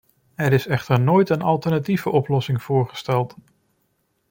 Er is echter nooit een alternatieve oplossing voorgesteld.